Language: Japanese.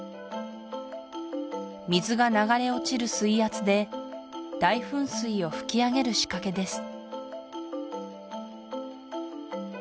水が流れ落ちる水圧で大噴水を噴き上げる仕掛けです